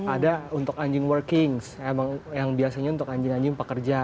ada untuk anjing workings emang yang biasanya untuk anjing anjing pekerja